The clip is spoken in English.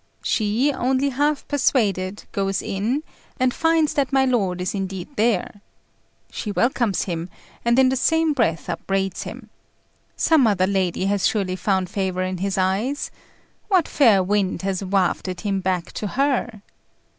She, only half persuaded, goes in, and finds that my lord is indeed there. She welcomes him, and in the same breath upbraids him. Some other lady has surely found favour in his eyes. What fair wind has wafted him back to her?